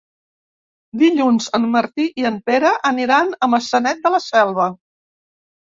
Dilluns en Martí i en Pere aniran a Maçanet de la Selva.